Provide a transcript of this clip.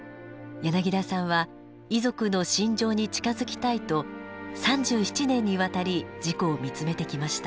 柳田さんは遺族の心情に近づきたいと３７年にわたり事故を見つめてきました。